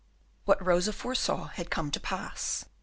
What Rosa foresaw had come to pass.